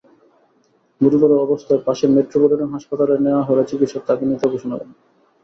গুরুতর অবস্থায় পাশের মেট্রোপলিটান হাসপাতালে নেওয়া হলে চিকিৎসক তাঁকে মৃত ঘোষণা করেন।